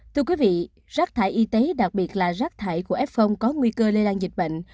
thưa quý vị rác thải y tế đặc biệt là rác thải của fong có nguy cơ lây lan dịch bệnh